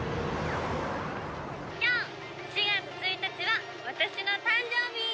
「今日４月１日は私の誕生日！」